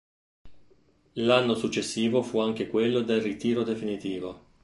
L'anno successivo fu anche quello del ritiro definitivo.